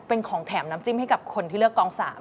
เป็นของแถมน้ำจิ้มให้กับคนที่เลือกกอง๓